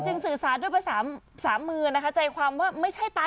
สื่อสารด้วยภาษาสามมือนะคะใจความว่าไม่ใช่ตา